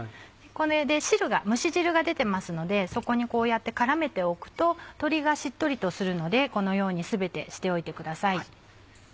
これで蒸し汁が出てますのでそこにこうやって絡めておくと鶏がしっとりとするのでこのように全てしておいてください。